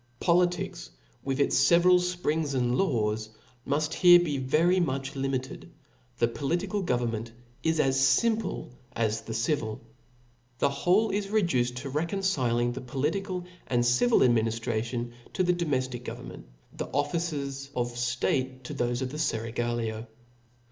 Politics, »«• with its feveral fprings and laws, muft here be v^ry much limited ; the political government is as fimple as the civil *. The whole is reduced to reconciling the political and civil adminiftration to the domeftic govern V ment, the officers of ftate to thofe of the feraglio.